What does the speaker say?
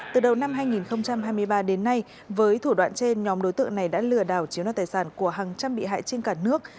từ đầu năm hai nghìn hai mươi ba đến nay với thủ đoạn trên nhóm đối tượng này đã lừa đảo chiếu nọ tài sản của hàng trăm bị hại trên cả nước